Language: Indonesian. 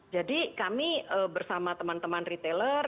jadi kami bersama teman teman retailer